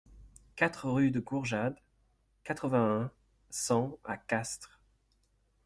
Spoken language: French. quatre rue de Gourjade, quatre-vingt-un, cent à Castres